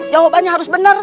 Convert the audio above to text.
jawabannya harus bener